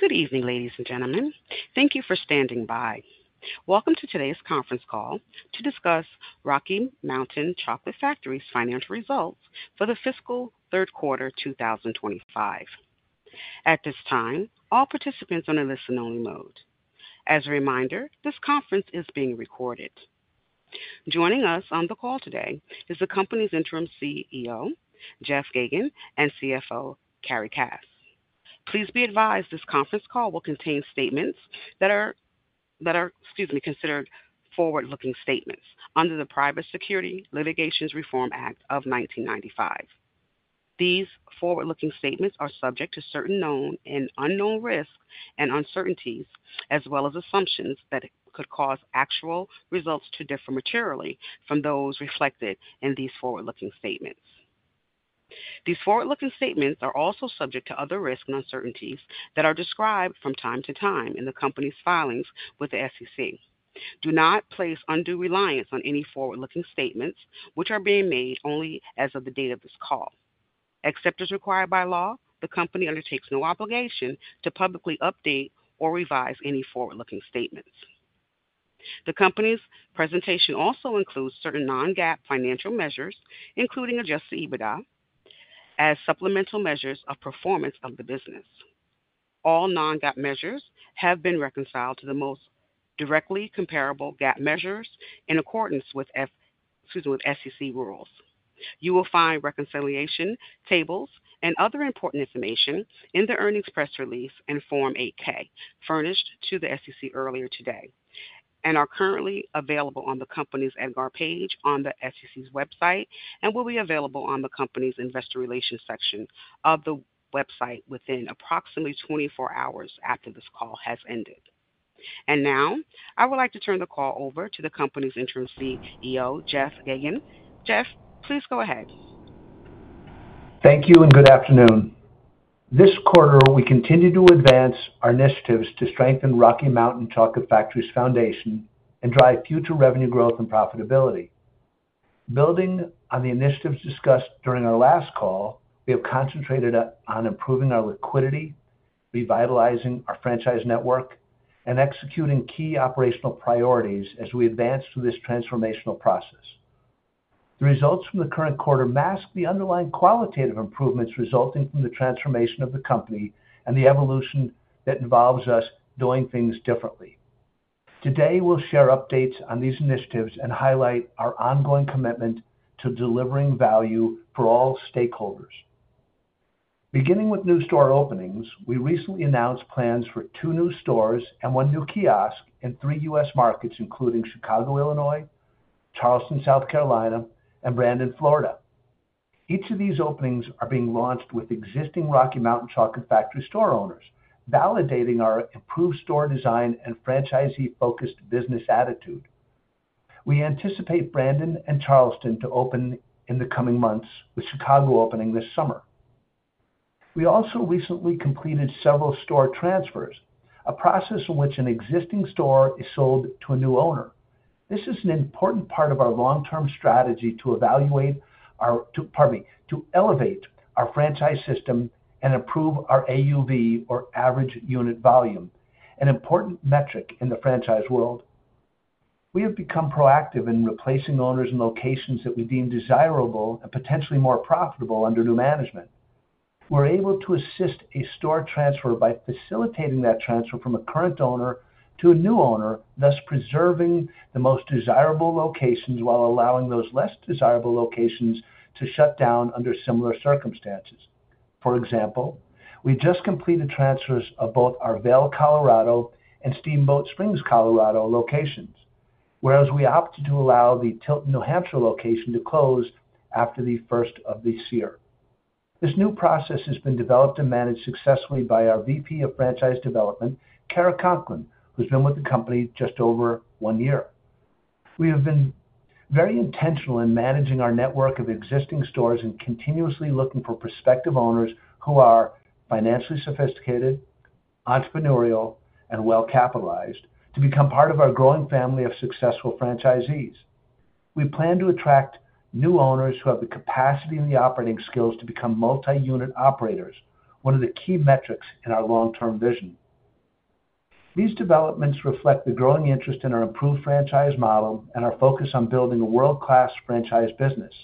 Good evening, ladies and gentlemen. Thank you for standing by. Welcome to today's conference call to discuss Rocky Mountain Chocolate Factory's financial results for the fiscal third quarter 2025. At this time, all participants are in listen-only mode. As a reminder, this conference is being recorded. Joining us on the call today is the company's Interim CEO, Jeff Geygan, and CFO, Carrie Cass. Please be advised this conference call will contain statements that are, excuse me, considered forward-looking statements under the Private Securities Litigation Reform Act of 1995. These forward-looking statements are subject to certain known and unknown risks and uncertainties, as well as assumptions that could cause actual results to differ materially from those reflected in these forward-looking statements. These forward-looking statements are also subject to other risks and uncertainties that are described from time to time in the company's filings with the SEC. Do not place undue reliance on any forward-looking statements, which are being made only as of the date of this call. Except as required by law, the company undertakes no obligation to publicly update or revise any forward-looking statements. The company's presentation also includes certain non-GAAP financial measures, including Adjusted EBITDA, as supplemental measures of performance of the business. All non-GAAP measures have been reconciled to the most directly comparable GAAP measures in accordance with SEC rules. You will find reconciliation tables and other important information in the earnings press release and Form 8-K furnished to the SEC earlier today and are currently available on the company's EDGAR page on the SEC's website and will be available on the company's investor relations section of the website within approximately 24 hours after this call has ended. Now, I would like to turn the call over to the company's Interim CEO, Jeff Geygan. Jeff, please go ahead. Thank you and good afternoon. This quarter, we continue to advance our initiatives to strengthen Rocky Mountain Chocolate Factory's foundation and drive future revenue growth and profitability. Building on the initiatives discussed during our last call, we have concentrated on improving our liquidity, revitalizing our franchise network, and executing key operational priorities as we advance through this transformational process. The results from the current quarter mask the underlying qualitative improvements resulting from the transformation of the company and the evolution that involves us doing things differently. Today, we'll share updates on these initiatives and highlight our ongoing commitment to delivering value for all stakeholders. Beginning with new store openings, we recently announced plans for two new stores and one new kiosk in three U.S. markets, including Chicago, Illinois, Charleston, South Carolina, and Brandon, Florida. Each of these openings are being launched with existing Rocky Mountain Chocolate Factory store owners, validating our improved store design and franchisee-focused business attitude. We anticipate Brandon and Charleston to open in the coming months, with Chicago opening this summer. We also recently completed several store transfers, a process in which an existing store is sold to a new owner. This is an important part of our long-term strategy to evaluate our, pardon me, to elevate our franchise system and improve our AUV, or average unit volume, an important metric in the franchise world. We have become proactive in replacing owners in locations that we deem desirable and potentially more profitable under new management. We're able to assist a store transfer by facilitating that transfer from a current owner to a new owner, thus preserving the most desirable locations while allowing those less desirable locations to shut down under similar circumstances. For example, we just completed transfers of both our Vail, Colorado, and Steamboat Springs, Colorado locations, whereas we opted to allow the Tilton, New Hampshire location to close after the first of this year. This new process has been developed and managed successfully by our VP of Franchise Development, Kara Conklin, who's been with the company just over one year. We have been very intentional in managing our network of existing stores and continuously looking for prospective owners who are financially sophisticated, entrepreneurial, and well-capitalized to become part of our growing family of successful franchisees. We plan to attract new owners who have the capacity and the operating skills to become multi-unit operators, one of the key metrics in our long-term vision. These developments reflect the growing interest in our improved franchise model and our focus on building a world-class franchise business.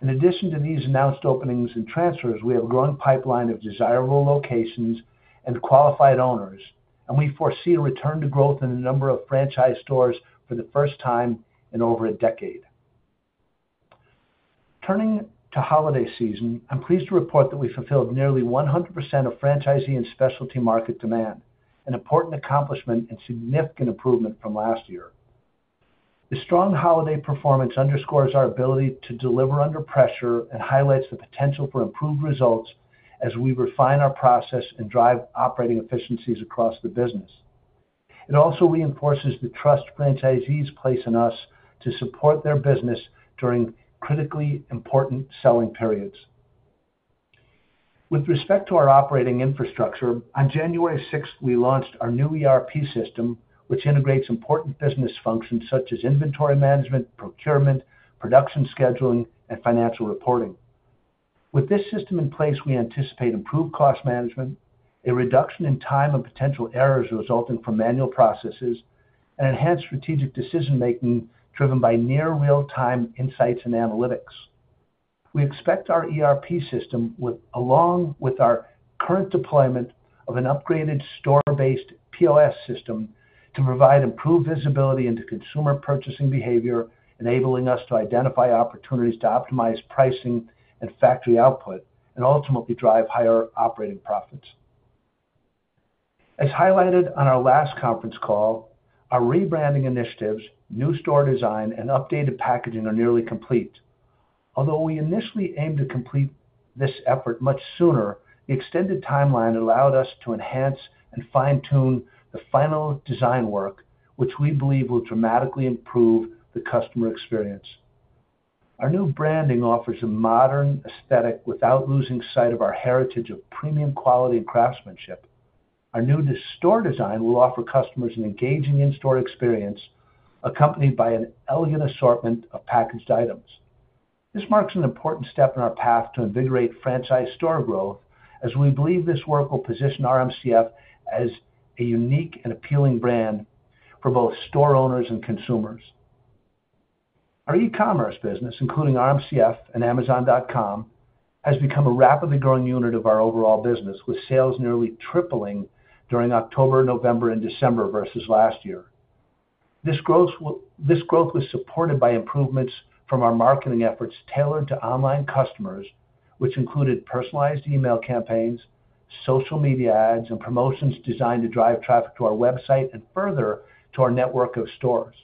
In addition to these announced openings and transfers, we have a growing pipeline of desirable locations and qualified owners, and we foresee a return to growth in the number of franchise stores for the first time in over a decade. Turning to holiday season, I'm pleased to report that we fulfilled nearly 100% of franchisee and specialty market demand, an important accomplishment and significant improvement from last year. The strong holiday performance underscores our ability to deliver under pressure and highlights the potential for improved results as we refine our process and drive operating efficiencies across the business. It also reinforces the trust franchisees place in us to support their business during critically important selling periods. With respect to our operating infrastructure, on January 6th, we launched our new ERP system, which integrates important business functions such as inventory management, procurement, production scheduling, and financial reporting. With this system in place, we anticipate improved cost management, a reduction in time and potential errors resulting from manual processes, and enhanced strategic decision-making driven by near real-time insights and analytics. We expect our ERP system, along with our current deployment of an upgraded store-based POS system, to provide improved visibility into consumer purchasing behavior, enabling us to identify opportunities to optimize pricing and factory output, and ultimately drive higher operating profits. As highlighted on our last conference call, our rebranding initiatives, new store design, and updated packaging are nearly complete. Although we initially aimed to complete this effort much sooner, the extended timeline allowed us to enhance and fine-tune the final design work, which we believe will dramatically improve the customer experience. Our new branding offers a modern aesthetic without losing sight of our heritage of premium quality and craftsmanship. Our new store design will offer customers an engaging in-store experience accompanied by an elegant assortment of packaged items. This marks an important step in our path to invigorate franchise store growth, as we believe this work will position RMCF as a unique and appealing brand for both store owners and consumers. Our e-commerce business, including RMCF and Amazon.com, has become a rapidly growing unit of our overall business, with sales nearly tripling during October, November, and December versus last year. This growth was supported by improvements from our marketing efforts tailored to online customers, which included personalized email campaigns, social media ads, and promotions designed to drive traffic to our website and further to our network of stores.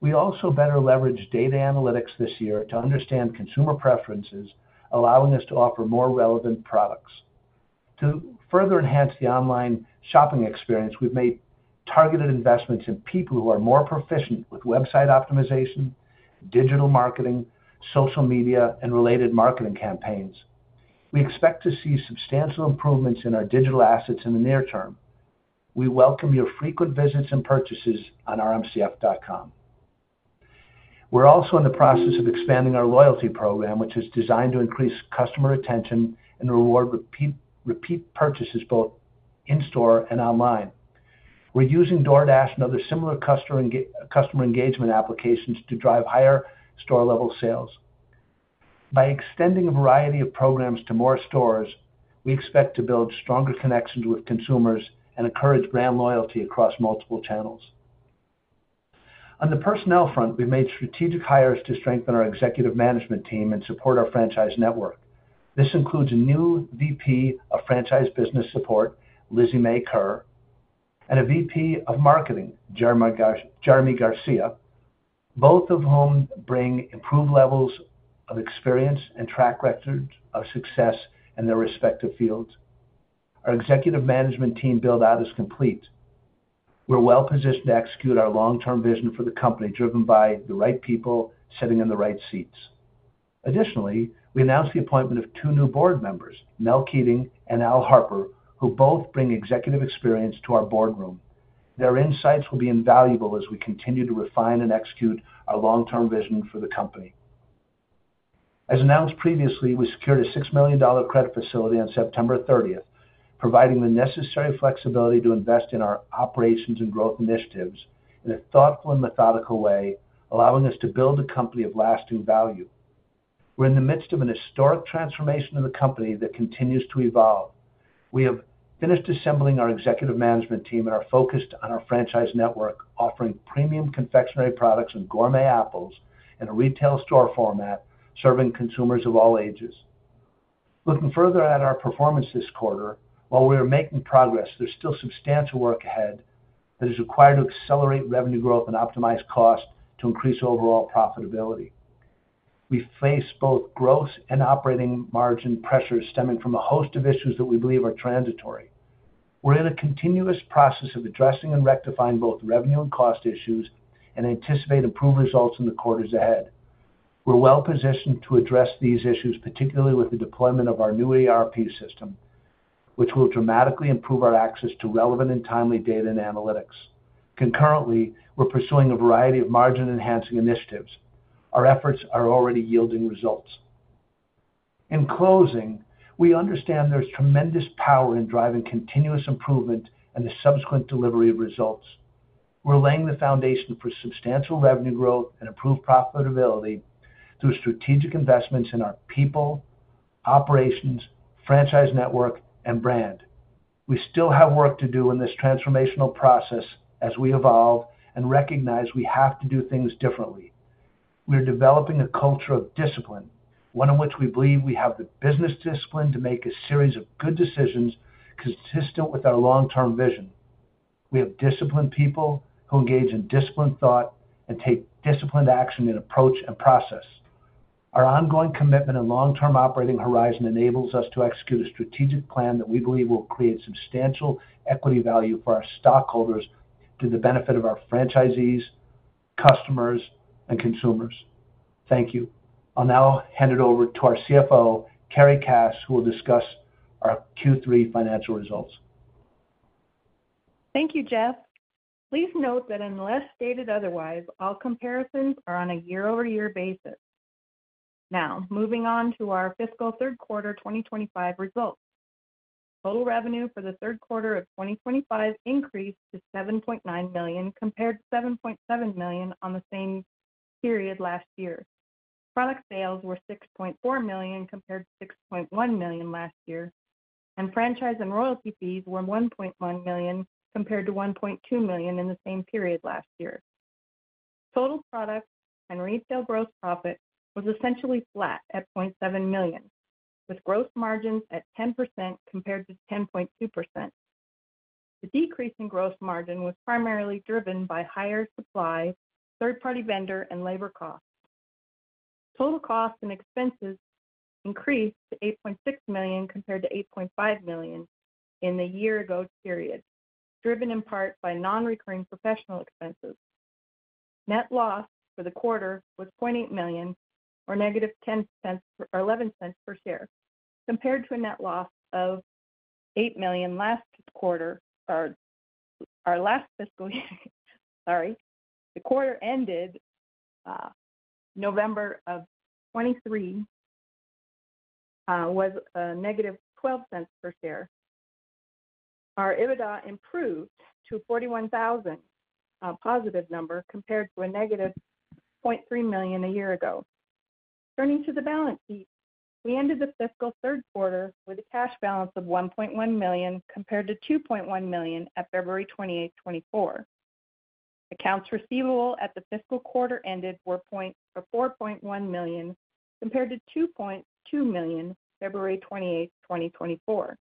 We also better leveraged data analytics this year to understand consumer preferences, allowing us to offer more relevant products. To further enhance the online shopping experience, we've made targeted investments in people who are more proficient with website optimization, digital marketing, social media, and related marketing campaigns. We expect to see substantial improvements in our digital assets in the near term. We welcome your frequent visits and purchases on rmcf.com. We're also in the process of expanding our loyalty program, which is designed to increase customer retention and reward repeat purchases both in-store and online. We're using DoorDash and other similar customer engagement applications to drive higher store-level sales. By extending a variety of programs to more stores, we expect to build stronger connections with consumers and encourage brand loyalty across multiple channels. On the personnel front, we've made strategic hires to strengthen our executive management team and support our franchise network. This includes a new VP of Franchise Business Support, Lizzie Mae Kerr, and a VP of Marketing, Jeremy Garcia, both of whom bring improved levels of experience and track records of success in their respective fields. Our executive management team build-out is complete. We're well-positioned to execute our long-term vision for the company, driven by the right people sitting in the right seats. Additionally, we announced the appointment of two new board members, Mel Keating and Al Harper, who both bring executive experience to our boardroom. Their insights will be invaluable as we continue to refine and execute our long-term vision for the company. As announced previously, we secured a $6 million credit facility on September 30th, providing the necessary flexibility to invest in our operations and growth initiatives in a thoughtful and methodical way, allowing us to build a company of lasting value. We're in the midst of a historic transformation of the company that continues to evolve. We have finished assembling our executive management team and are focused on our franchise network, offering premium confectionery products and gourmet apples in a retail store format, serving consumers of all ages. Looking further at our performance this quarter, while we are making progress, there's still substantial work ahead that is required to accelerate revenue growth and optimize costs to increase overall profitability. We face both gross and operating margin pressures stemming from a host of issues that we believe are transitory. We're in a continuous process of addressing and rectifying both revenue and cost issues and anticipate improved results in the quarters ahead. We're well-positioned to address these issues, particularly with the deployment of our new ERP system, which will dramatically improve our access to relevant and timely data and analytics. Concurrently, we're pursuing a variety of margin-enhancing initiatives. Our efforts are already yielding results. In closing, we understand there's tremendous power in driving continuous improvement and the subsequent delivery of results. We're laying the foundation for substantial revenue growth and improved profitability through strategic investments in our people, operations, franchise network, and brand. We still have work to do in this transformational process as we evolve and recognize we have to do things differently. We're developing a culture of discipline, one in which we believe we have the business discipline to make a series of good decisions consistent with our long-term vision. We have disciplined people who engage in disciplined thought and take disciplined action in approach and process. Our ongoing commitment and long-term operating horizon enables us to execute a strategic plan that we believe will create substantial equity value for our stockholders to the benefit of our franchisees, customers, and consumers. Thank you. I'll now hand it over to our CFO, Carrie Cass, who will discuss our Q3 financial results. Thank you, Jeff. Please note that unless stated otherwise, all comparisons are on a year-over-year basis. Now, moving on to our fiscal third quarter 2025 results. Total revenue for the third quarter of 2025 increased to $7.9 million compared to $7.7 million on the same period last year. Product sales were $6.4 million compared to $6.1 million last year, and franchise and royalty fees were $1.1 million compared to $1.2 million in the same period last year. Total product and retail gross profit was essentially flat at $0.7 million, with gross margins at 10% compared to 10.2%. The decrease in gross margin was primarily driven by higher supply, third-party vendor, and labor costs. Total costs and expenses increased to $8.6 million compared to $8.5 million in the year-ago period, driven in part by non-recurring professional expenses. Net loss for the quarter was $0.8 million, or -$0.10 or $0.11 per share, compared to a net loss of $8 million last quarter. Our last fiscal year, sorry, the quarter ended November of 2023, was -$0.12 per share. Our EBITDA improved to $41,000, a positive number compared to a -$0.3 million a year ago. Turning to the balance sheet, we ended the fiscal third quarter with a cash balance of $1.1 million compared to $2.1 million at February 28, 2024. Accounts receivable at the fiscal quarter ended were $4.1 million compared to $2.2 million February 28, 2024.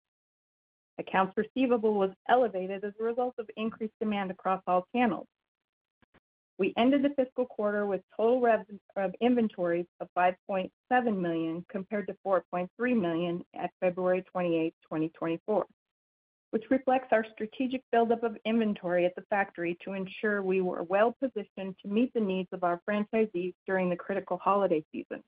Accounts receivable was elevated as a result of increased demand across all channels. We ended the fiscal quarter with total inventories of $5.7 million compared to $4.3 million at February 28, 2024, which reflects our strategic build-up of inventory at the factory to ensure we were well-positioned to meet the needs of our franchisees during the critical holiday season.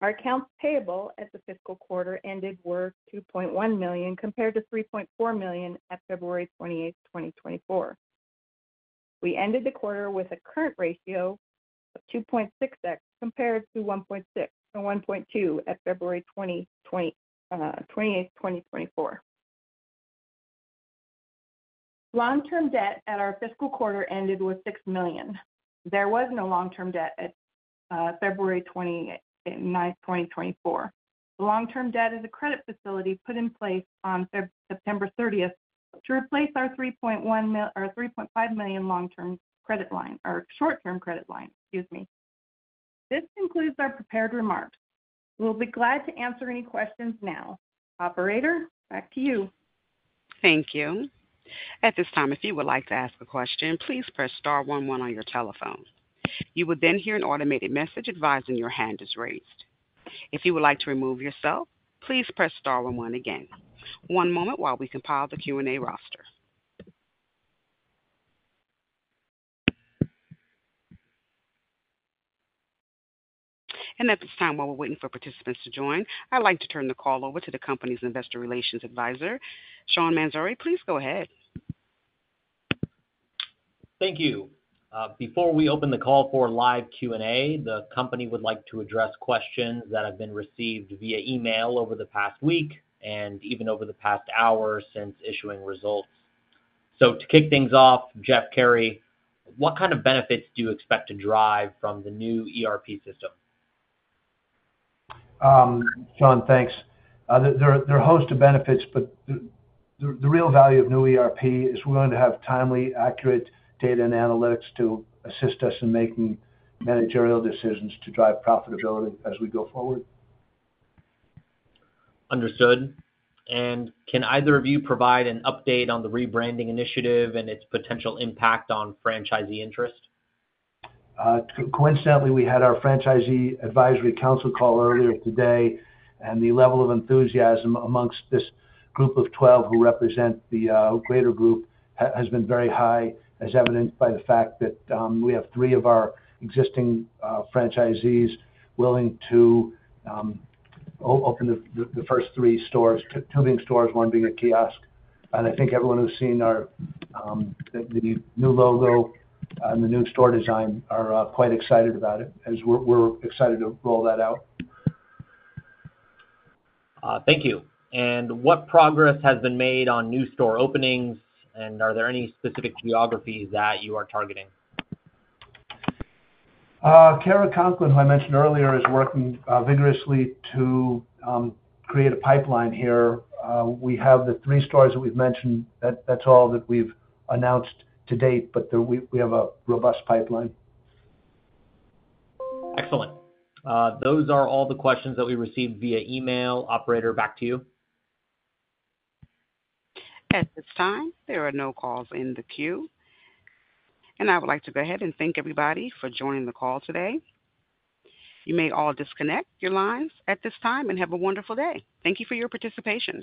Our accounts payable at the fiscal quarter ended were $2.1 million compared to $3.4 million at February 28, 2024. We ended the quarter with a current ratio of 2.6x compared to 1.6x or 1.2x at February 28, 2024. Long-term debt at our fiscal quarter ended with $6 million. There was no long-term debt at February 29, 2024. Long-term debt is a credit facility put in place on September 30th to replace our $3.5 million long-term credit line or short-term credit line. Excuse me. This concludes our prepared remarks. We'll be glad to answer any questions now. Operator, back to you. Thank you. At this time, if you would like to ask a question, please press star one one on your telephone. You will then hear an automated message advising your hand is raised. If you would like to remove yourself, please press star one one again. One moment while we compile the Q&A roster, and at this time, while we're waiting for participants to join, I'd like to turn the call over to the company's Investor Relations Advisor, Sean Mansouri. Please go ahead. Thank you. Before we open the call for live Q&A, the company would like to address questions that have been received via email over the past week and even over the past hour since issuing results. So to kick things off, Jeff, Carrie, what kind of benefits do you expect to drive from the new ERP system? Sean, thanks. There are a host of benefits, but the real value of new ERP is we're going to have timely, accurate data and analytics to assist us in making managerial decisions to drive profitability as we go forward. Understood. And can either of you provide an update on the rebranding initiative and its potential impact on franchisee interest? Coincidentally, we had our Franchisee Advisory Council call earlier today, and the level of enthusiasm amongst this group of 12 who represent the greater group has been very high, as evidenced by the fact that we have three of our existing franchisees willing to open the first three stores, two being stores, one being a kiosk, and I think everyone who's seen the new logo and the new store design are quite excited about it, as we're excited to roll that out. Thank you. What progress has been made on new store openings, and are there any specific geographies that you are targeting? Kara Conklin, who I mentioned earlier, is working vigorously to create a pipeline here. We have the three stores that we've mentioned. That's all that we've announced to date, but we have a robust pipeline. Excellent. Those are all the questions that we received via email. Operator, back to you. At this time, there are no calls in the queue. And I would like to go ahead and thank everybody for joining the call today. You may all disconnect your lines at this time and have a wonderful day. Thank you for your participation.